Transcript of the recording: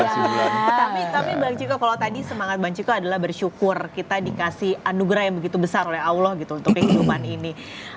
tapi bang ciko kalau tadi semangat bang chiko adalah bersyukur kita dikasih anugerah yang begitu besar oleh allah gitu untuk kehidupan ini